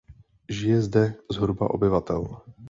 Žije zde zhruba obyvatel.